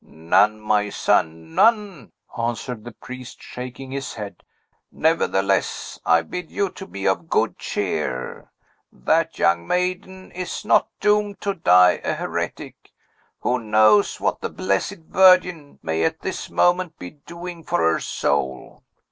'" "None, my son, none," answered the priest, shaking his head; "nevertheless, I bid you be of good cheer. That young maiden is not doomed to die a heretic. Who knows what the Blessed Virgin may at this moment be doing for her soul!